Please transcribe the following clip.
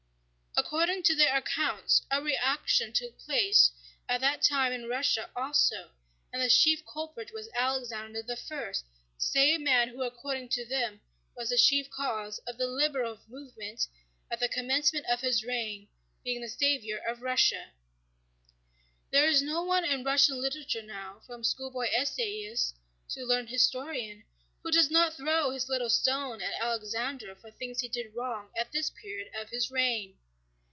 According to their accounts a reaction took place at that time in Russia also, and the chief culprit was Alexander I, the same man who according to them was the chief cause of the liberal movement at the commencement of his reign, being the savior of Russia. There is no one in Russian literature now, from schoolboy essayist to learned historian, who does not throw his little stone at Alexander for things he did wrong at this period of his reign.